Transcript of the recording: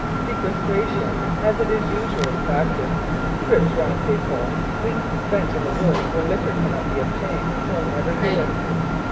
Sequestration as it is usually practised trips round Cape Horn, weeks spent in the woods where liquor cannot be obtained will never do it.